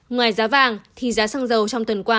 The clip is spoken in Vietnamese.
ngoài giá vàng thì giá xăng dầu trong tuần qua